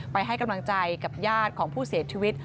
ให้กำลังใจกับญาติของผู้เสียชีวิต